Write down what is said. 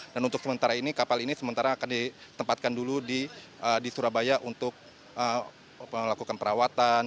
dan untuk sementara ini kapal ini sementara akan ditempatkan dulu di surabaya untuk melakukan perawatan